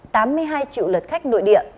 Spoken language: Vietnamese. tám mươi hai triệu lượt khách nội địa